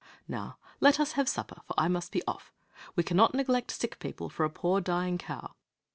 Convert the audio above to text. Now, let us have supper, for I must be off. We cannot neglect sick people for a poor, dying cow.